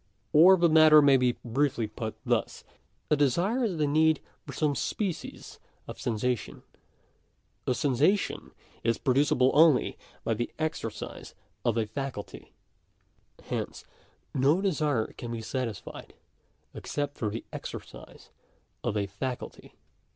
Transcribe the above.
Or the matter may be briefly put thus. A desire is the need • for some species of sensation. A sensation is producible only by the exercise of a faculty. Hence no desire can be satisfied except through the exercise of a faculty.